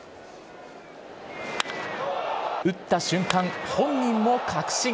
打った瞬間、本人も確信。